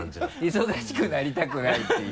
忙しくなりたくないっていう。